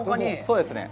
そうですね。